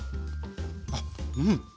あっうん。